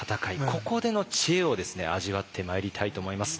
ここでの知恵をですね味わってまいりたいと思います。